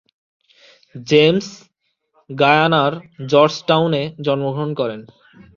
James গায়ানার জর্জটাউনে জন্মগ্রহণ করেন।